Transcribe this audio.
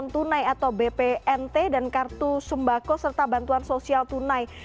bantuan tunai atau bpnt dan kartu sembako serta bantuan sosial tunai